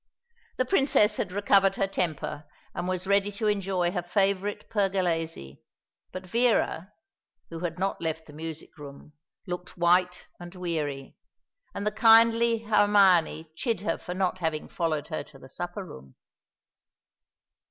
The Princess had recovered her temper, and was ready to enjoy her favourite Pergolesi; but Vera, who had not left the music room, looked white and weary; and the kindly Hermione chid her for not having followed her to the supper room.